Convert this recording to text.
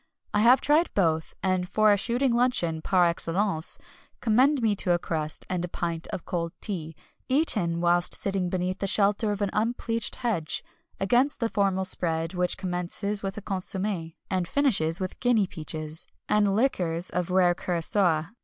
I have tried both, and for a shooting luncheon par excellence commend me to a crust and a pint of cold tea, eaten whilst sitting beneath the shelter of an unpleached hedge, against the formal spread which commences with a consommé, and finishes with guinea peaches, and liqueurs of rare curaçoa.